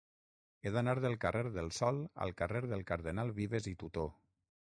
He d'anar del carrer del Sol al carrer del Cardenal Vives i Tutó.